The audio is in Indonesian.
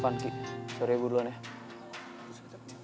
van ki sorry ya gue duluan ya